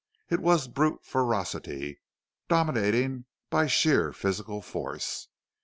It was brute ferocity, dominating by sheer physical force.